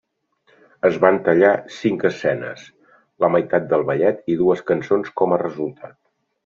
Es van tallar cinc escenes, la meitat del ballet i dues cançons com a resultat.